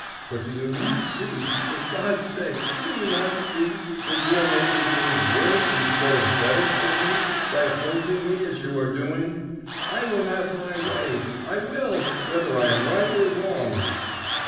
But do you not see for God's sake, do you not see that you are making things worse instead of better for me by opposing me as you are doing? I will have my way! I will, whether I am right or wrong!"